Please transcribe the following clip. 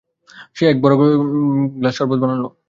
সে বড় এক গ্লাস শরবত বানাল।